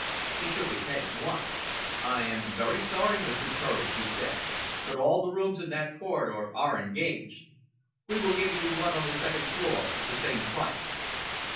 He shook his head at once. "I am very sorry, Mr. Courage," he said, "but all the rooms in that corridor are engaged. We will give you one on the second floor at the same price."